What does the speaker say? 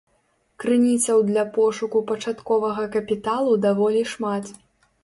Крыніцаў для пошуку пачатковага капіталу даволі шмат.